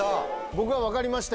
僕は分かりました